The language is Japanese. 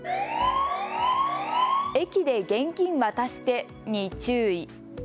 駅で現金渡してに注意。